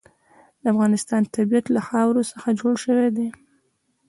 د افغانستان طبیعت له خاوره څخه جوړ شوی دی.